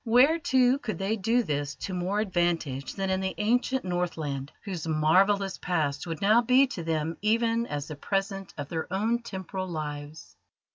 Where, too, could they do this to more advantage than in the ancient Northland, whose marvellous past would now be to them even as the present of their own temporal lives?